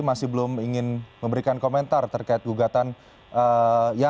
pastinya akan bergantung dari isi putusannya ya